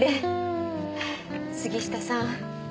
杉下さん